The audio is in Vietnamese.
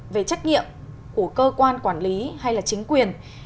về trách nhiệm của cơ quan quản lý hay là chính quyền